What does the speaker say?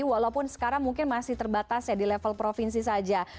walaupun sekarang mungkin masih terbatas ya di level provinsi saja